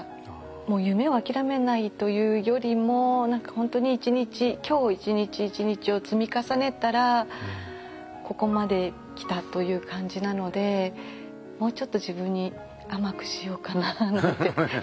もう夢をあきらめないというよりも何か本当に一日今日一日一日を積み重ねたらここまで来たという感じなのでもうちょっと自分に甘くしようかななんて。